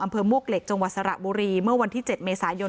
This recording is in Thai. มวกเหล็กจังหวัดสระบุรีเมื่อวันที่๗เมษายน